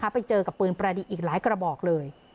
ไปเจอกับปืนประดิษฐ์อีกหลายกระบอกเลย